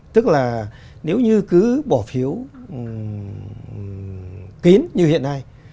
tức là nếu như cứ bỏ phiếu kín như hiện nay